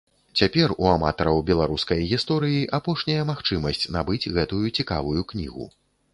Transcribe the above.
Цяпер у аматараў беларускай гісторыі апошняя магчымасць набыць гэтую цікавую кнігу.